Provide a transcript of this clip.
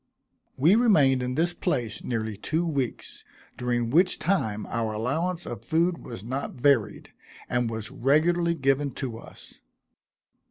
We remained in this place nearly two weeks, during which time our allowance of food was not varied, and was regularly given to us.